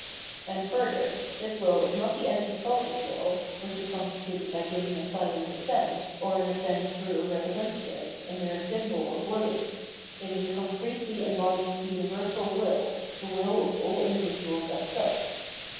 And further, this will is not the empty thought of will, which is constituted by giving a silent assent, or an assent through a representa tive, a mere symbol of willing ; it is a concretely em bodied universal will, the wiU of all individuals as such.